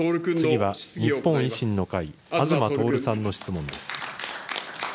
次は日本維新の会、東徹さんの質問です。